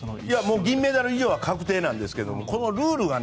銀メダル以上は確定なんですがこのルールがね